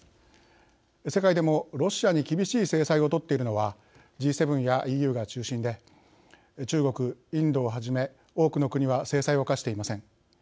世界でも、ロシアに厳しい制裁を取っているのはＧ７やＥＵが中心で中国、インドをはじめ多くの国は制裁を科していません。